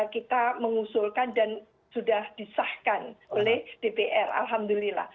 kita mengusulkan dan sudah disahkan oleh dpr alhamdulillah